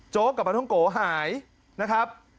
โจ๊กกับปาท้องโกะหายนะครับ